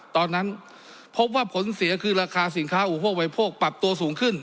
ตอนนั้นพบว่าผลเสียคือราคาสินค้าอุปโภคบริโภคปรับตัวสูงขึ้น